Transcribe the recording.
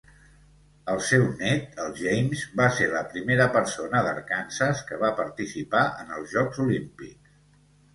El seu net, el James, va ser la primera persona d'Arkansas que va participar en els Jocs Olímpics.